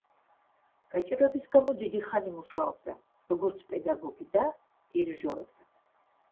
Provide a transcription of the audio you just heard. გაჭირვების გამო დიდი ხანი მუშაობდა, როგორც პედაგოგი და დირიჟორობდა.